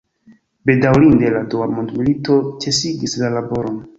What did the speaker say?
Bedaŭrinde la dua mondmilito ĉesigis la laboron.